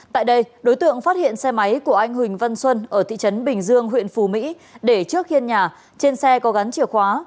tại đây đối tượng phát hiện xe máy của anh huỳnh văn xuân ở thị trấn bình dương huyện phù mỹ để trước hiên nhà trên xe có gắn chìa khóa